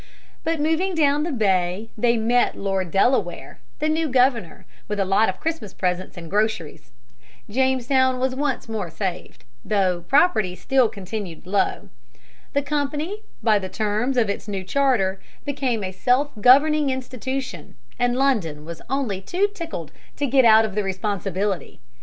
But moving down the bay they met Lord Delaware, the new Governor, with a lot of Christmas presents and groceries. Jamestown was once more saved, though property still continued low. The company, by the terms of its new charter, became a self governing institution, and London was only too tickled to get out of the responsibility.